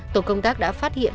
tổ công tác đã phát hiện